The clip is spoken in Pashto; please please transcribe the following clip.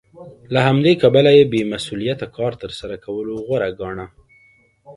له همدې کبله یې بې مسوولیته کار تر سره کولو غوره ګاڼه